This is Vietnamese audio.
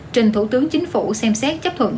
trình thủ tướng chính phủ xem xét chấp thuận